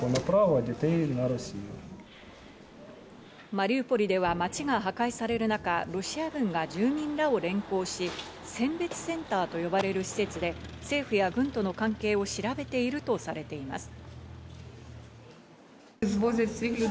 マリウポリでは街が破壊される中、ロシア軍が住民らを連行し、選別センターと呼ばれる施設で政府や軍との関係を調べているとされています。